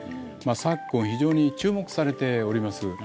昨今非常に注目されております